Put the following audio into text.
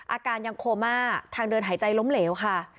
อาการยังโคม่าทางเดินหายใจล้มเหลวค่ะ